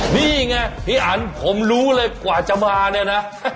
นี่ไงพี่อันผมรู้เลยกว่าจะมาเนี่ยนะ